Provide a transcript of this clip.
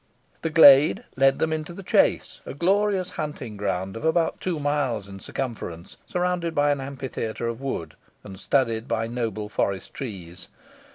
The glade led them into the chase, a glorious hunting ground of about two miles in circumference, surrounded by an amphitheatre of wood, and studded by noble forest trees.